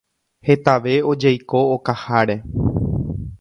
Hetave ojeiko okaháre.